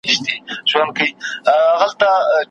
که زرغون بوټی هم کېدای نه سې نو شین واښه سه